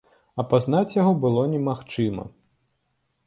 Апазнаць яго было немагчыма.